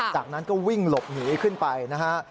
จากนั้นก็วิ่งหลบหนีขึ้นไปนะฮะ